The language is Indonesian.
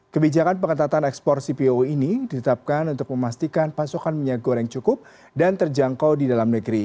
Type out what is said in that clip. kebijakan pengetatan ekspor cpo ini ditetapkan untuk memastikan pasokan minyak goreng cukup dan terjangkau di dalam negeri